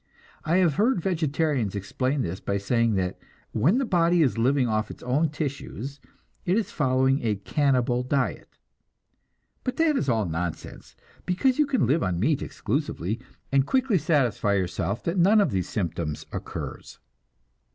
I have heard vegetarians explain this by saying that when the body is living off its own tissues, it is following a cannibal diet; but that is all nonsense, because you can live on meat exclusively, and quickly satisfy yourself that none of these symptoms occurs.